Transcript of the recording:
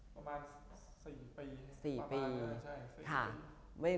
ประมาณ๔ปี